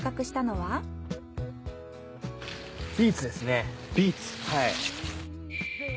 はい。